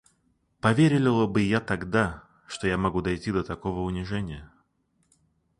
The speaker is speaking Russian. Поверила ли бы я тогда, что я могу дойти до такого унижения?